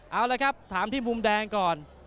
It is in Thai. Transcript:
เอาละครับถามที่มุมแดงก่อน